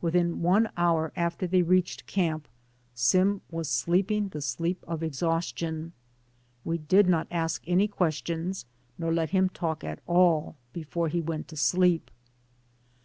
Within one hour after they reached camp Sim was sleeping 222 DAYS ON THE ROAD. the sleep of exhaustion. We did not ask any questions, nor let him talk at all, before he went to sleep.